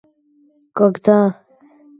когда